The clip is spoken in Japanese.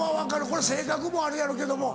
これ性格もあるやろうけども。